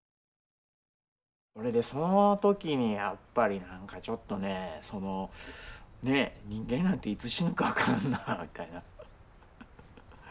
それでその時にやっぱり何かちょっとね人間なんていつ死ぬか分からんなみたいな。